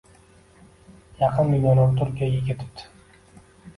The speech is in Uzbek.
Yaqin dugonam Turkiyaga ketibdi